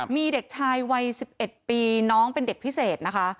มีเด็กชายวัย๑๑ปีน้องเป็นเด็กพิเศษนะคะ